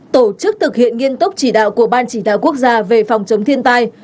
một tổ chức thực hiện nghiên tốc chỉ đạo của ban chỉ đạo quốc gia về phòng chống thiên tai